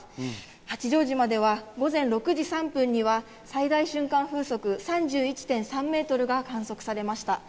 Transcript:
八丈島では午前６時３分には最大瞬間風速３１．３メートルが観測されました。